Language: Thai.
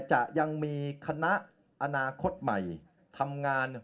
จะยังมีคณะอนาคตใหม่ทำงานเนี่ย